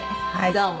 どうも。